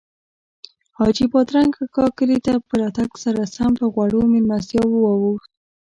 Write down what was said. حاجي بادرنګ اکا کلي ته په راتګ سره سم پر غوړو میلمستیاوو واوښت.